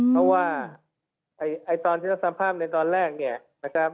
เพราะว่าตอนที่รับสภาพในตอนแรกเนี่ยนะครับ